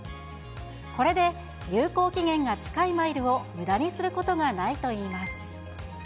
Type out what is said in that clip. これで有効期限が近いマイルをむだにすることがないといいます。